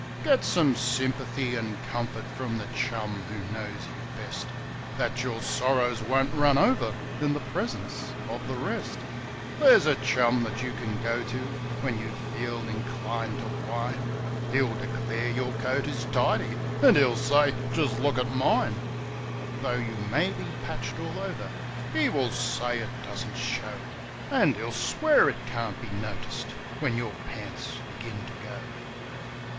Get some sympathy and comfort from the chum who knows you best, Then your sorrows won't run over in the presence of the rest ; There's a chum that you can go to when you feel inclined to whine, He'll declare your coat is tidy, and he'll say : "Just look at mine !" Though you may be patched all over he will say it doesn't show, And he'll swear it can't be noticed when your pants begin to go.